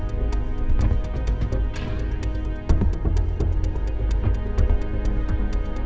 เอาว่าเรือนายจะบุกไหวนะครับ